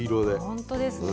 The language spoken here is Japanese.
ほんとですね。